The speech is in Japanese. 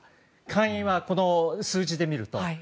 下院は、この数字で見ると。